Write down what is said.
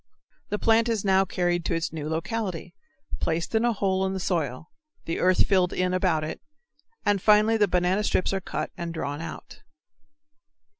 The plant is now carried to its new locality, placed in a hole in the soil, the earth filled in about it, and finally the banana strips are cut and drawn out.